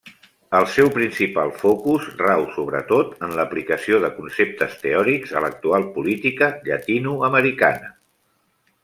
El seu principal focus rau sobretot en l'aplicació de conceptes teòrics a l'actual política llatinoamericana.